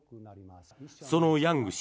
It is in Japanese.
そのヤング氏